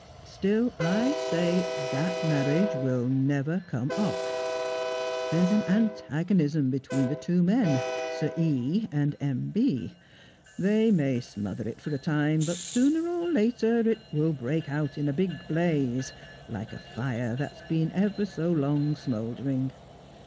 Still I say that marriage will never come off. There's an antagonism between the two men, Sir E. and M. B. They may smother it for a time, but sooner or later it will break out in a big blaze, like a fire that has been ever so long smouldering.